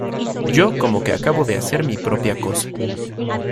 Yo como que acabo de hacer mi propia cosa.